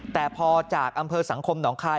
แต่พอจากอำเภอสังคมหนองคาย